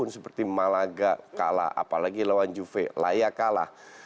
seperti malaga kalah apalagi lawan juve la liga kalah